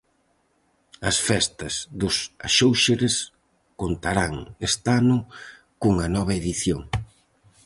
As Festas dos Axóuxeres contarán este ano cunha nova edición.